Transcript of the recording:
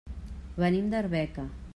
Venim d'Arbeca.